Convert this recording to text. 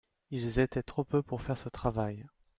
Ils étaient trop peu pour faire ce travail.